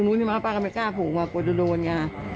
นรับคุยก็ก่อน